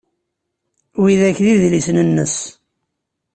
Widak d idlisen-nsen.